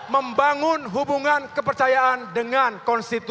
membangun hubungan kepercayaan dengan konstitusi